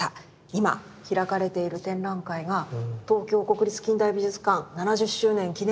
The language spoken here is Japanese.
今開かれている展覧会が「東京国立近代美術館７０周年記念展